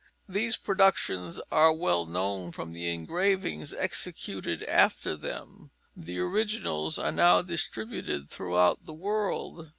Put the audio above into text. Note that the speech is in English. These productions are well known from the engravings executed after them; the originals are now distributed throughout the world.